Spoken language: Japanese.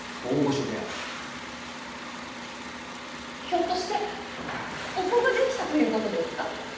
ひょっとしてお子ができたということですか。